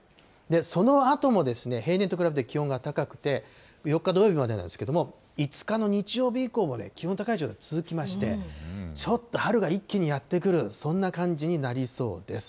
そのあとも平年と比べて気温が高くて、４日土曜日までなんですけれども、５日の日曜日以降も気温の高い状態続きまして、ちょっと春が一気にやって来る、そんな感じになりそうです。